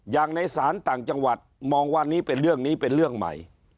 ในศาลต่างจังหวัดมองว่านี้เป็นเรื่องนี้เป็นเรื่องใหม่